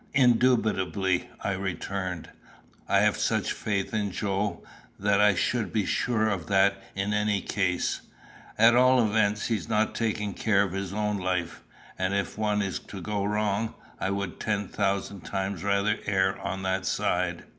"Indubitably," I returned. "I have such faith in Joe, that I should be sure of that in any case. At all events, he's not taking care of his own life. And if one is to go wrong, I would ten thousand times rather err on that side.